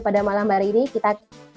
pada malam hari ini kita